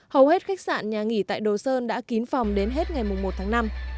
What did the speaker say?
hầu hết khách sạn nhà nghỉ tại đồ sơn đã kín phòng đến hết ngày một tháng năm